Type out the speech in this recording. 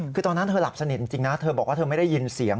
คือตอนนั้นเธอหลับสนิทจริงนะเธอบอกว่าเธอไม่ได้ยินเสียง